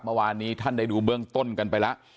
เมื่อวานนี้ท่านได้ดูเบื้องต้นกันไปแล้ว